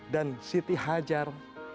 dan siti hajar